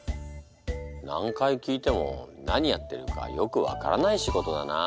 何回聞いても何やってるかよくわからない仕事だな。